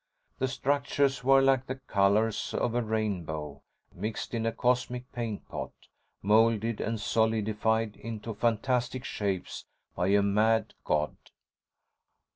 The structures were like the colors of a rainbow mixed in a cosmic paint pot, molded and solidified into fantastic shapes by a mad god.